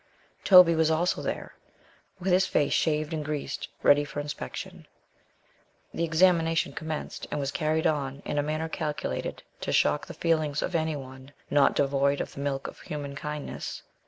Toby was also there, with his face shaved and greased, ready for inspection. The examination commenced, and was carried on in a manner calculated to shock the feelings of any one not devoid of the milk of human kindness.